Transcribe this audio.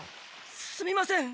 すみません！